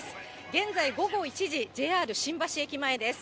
現在、午後１時、ＪＲ新橋駅前です。